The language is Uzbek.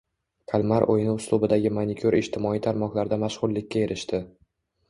Kalmar o‘yini uslubidagi manikyur ijtimoiy tarmoqlarda mashhurlikka erishdi